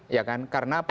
iya kan karena apa